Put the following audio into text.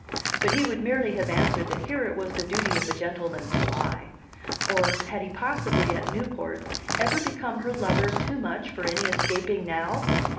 But he would merely have answered that here it was the duty of a gentleman to lie. Or, had he possibly, at Newport, ever become her lover too much for any escaping now?